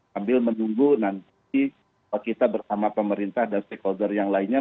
sambil menunggu nanti kita bersama pemerintah dan stakeholder yang lainnya